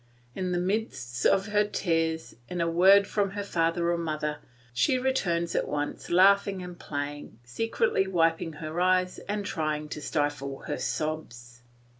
In the midst of her tears, at a word from her father or mother she returns at once laughing and playing, secretly wiping her eyes and trying to stifle her sobs.